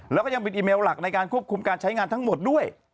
แล้วก็ยังเป็นอีเมลหลักในการควบคุมการใช้งานทั้งหมดด้วย